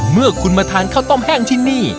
เมื่อคุณมาทานข้าวต้มแห้งที่นี่